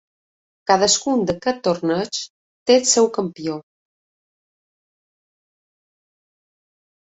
Cadascun d'aquests torneigs té el seu campió.